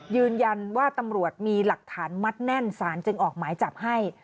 ยืนยันว่าตำรวจมีหลักฐานมัดแน่นสารจึงออกหมายจับให้